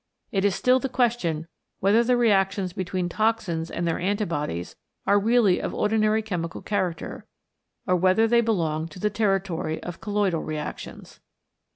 It is still the question whether the reac tions between toxins and their anti bodies are really of ordinary chemical character, or whether they belong to the territory of colloidal reactions.